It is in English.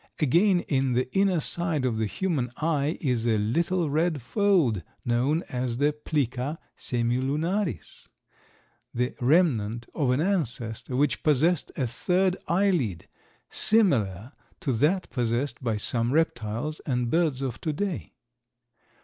Again, in the inner side of the human eye is a little red fold, known as the plica semilunaris, the remnant of an ancestor which possessed a third eyelid, similar to that possessed by some reptiles and birds of to day.